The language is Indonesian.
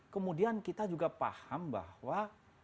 kemudian kita juga paham bahwa